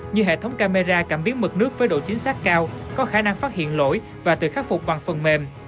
như hệ thống camera cảm biến mực nước với độ chính xác cao có khả năng phát hiện lỗi và tự khắc phục bằng phần mềm